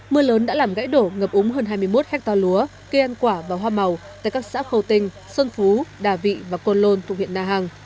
mưa lớn đã làm gãy đổ ngập úng hơn hai mươi một hectare lúa cây ăn quả và hoa màu tại các xã khâu tinh xuân phú đà vị và côn lôn thuộc huyện na hàng